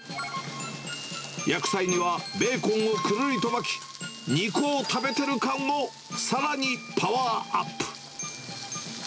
焼く際には、ベーコンをくるりと巻き、肉を食べてる感をさらにパワーアップ。